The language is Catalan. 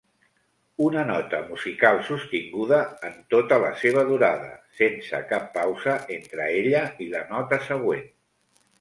Una nota musical sostinguda en tota la seva durada, sense cap pausa entre ella i la nota següent